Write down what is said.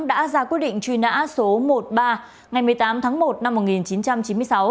đã ra quyết định truy nã số một mươi ba ngày một mươi tám tháng một năm một nghìn chín trăm chín mươi sáu